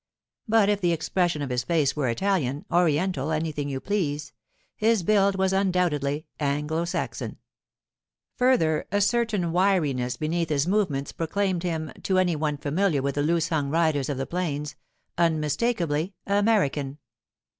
But if the expression of his face were Italian, Oriental, anything you please, his build was undoubtedly Anglo Saxon. Further, a certain wiriness beneath his movements proclaimed him, to any one familiar with the loose hung riders of the plains, unmistakably American.